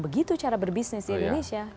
begitu cara berbisnis di indonesia